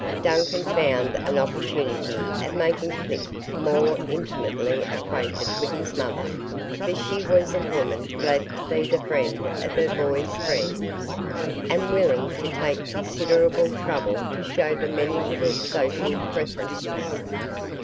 Duncan found an opportunity of making Clip more intimately acquainted with his mother, for she was a woman glad to be the friend of her boy's friends, and willing to take considerable trouble to show the many little social preferences.